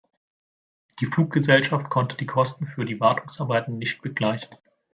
Die Fluggesellschaft konnte die Kosten für Wartungsarbeiten nicht begleichen.